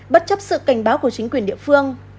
bất chấp sự cảnh báo của chính quyền địa phương